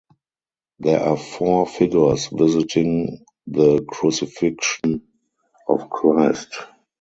There are four figures visiting the Crucifixion of Christ.